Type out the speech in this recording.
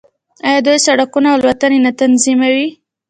آیا دوی سړکونه او الوتنې نه تنظیموي؟